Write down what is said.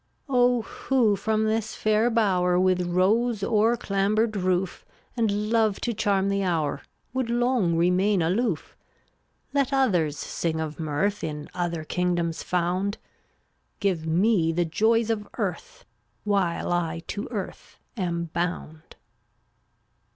352 Oh who from this fair bower With rose o'erclambered roof, And love to charm the hour, Would long remain aloof? Let others sing of mirth In other kingdoms found; Give me the joys of earth, While I to earth am bound.